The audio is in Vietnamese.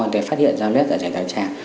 để phát hiện ra viêm lết dạ dày thái tràng